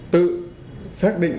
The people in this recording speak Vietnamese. tự xác định